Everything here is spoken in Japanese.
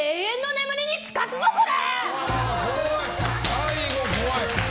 最後怖い！